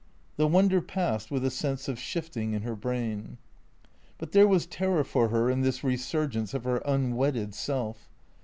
" The wonder passed with a sense of shifting in her brain. But there was terror for her in this resurgence of her un wedded self.